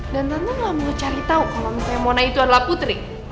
dan tante ga mau cari tau kalau mona itu adalah putri